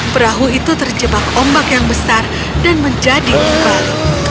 perahu itu terjebak ombak yang besar dan menjadi ibal